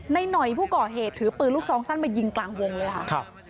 หน่อยผู้ก่อเหตุถือปืนลูกซองสั้นมายิงกลางวงเลยค่ะ